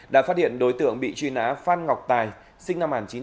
đã phát hiện đối tượng bị truy nã phan ngọc tài sinh năm một nghìn chín trăm tám mươi